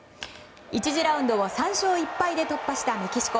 １次ラウンドを３勝１敗で突破したメキシコ。